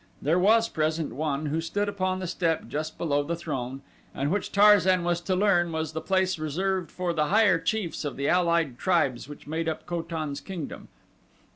There was present one who stood upon the step just below the throne and which Tarzan was to learn was the place reserved for the higher chiefs of the allied tribes which made up Ko tan's kingdom.